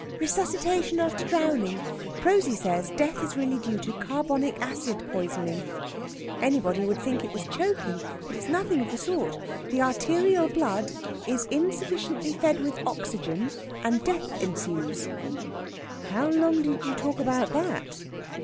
"Resuscitation after drowning. Prosy says death is really due to carbonic acid poisoning. Anybody would think it was choking, but it's nothing of the sort. The arterial blood is insufficiently fed with oxygen, and death ensues." "How long did you talk about that?"